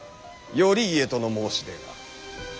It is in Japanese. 頼家との申し出が。